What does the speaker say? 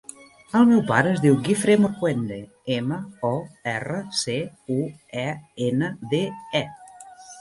El meu pare es diu Guifré Morcuende: ema, o, erra, ce, u, e, ena, de, e.